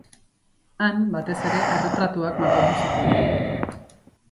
Han, batez ere, erretratuak margotu zituen.